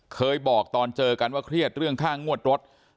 เคยบอกตอนเจอกันว่าเครียดเรื่องค่างวดรถ